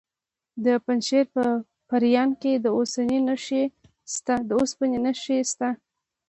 د پنجشیر په پریان کې د اوسپنې نښې شته.